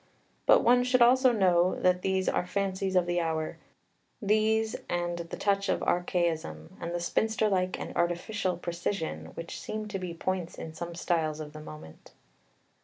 But one should also know that these are fancies of the hour these and the touch of archaism, and the spinster like and artificial precision, which seem to be points in some styles of the moment.